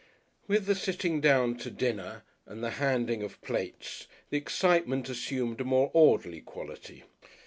With the sitting down to dinner and the handing of plates the excitement assumed a more orderly quality.